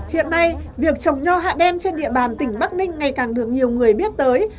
hiện nay việc trồng nho hạ đen trên địa bàn tỉnh bắc ninh ngày càng được nhiều người biết tới